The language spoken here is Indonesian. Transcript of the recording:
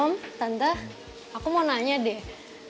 om tante aku mau nanya deh